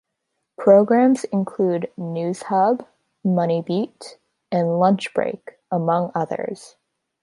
Programs include "News Hub", "MoneyBeat", and "Lunch Break" among others.